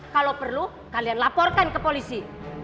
kalau perlu kalian laporkan ke polisi